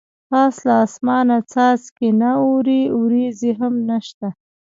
پاس له اسمان نه څاڅکي نه اوري ورېځې هم نشته.